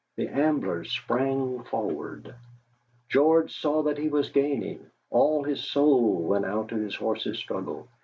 The Ambler sprang forward. George saw that he was gaining. All his soul went out to his horse's struggle.